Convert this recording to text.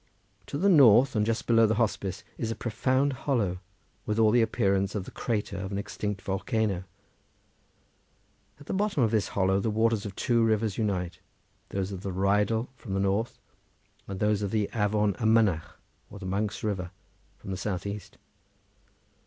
To the north and just below the hospice is a profound hollow with all the appearance of the crater of an extinct volcano; at the bottom of this hollow the waters of two rivers unite; those of the Rheidol from the north, and those of the Afon y Mynach, or the Monks' River, from the south east.